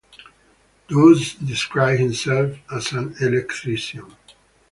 Twose described himself as an electrician.